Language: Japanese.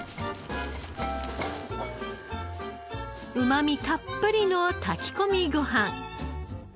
うまみたっぷりの炊き込みご飯。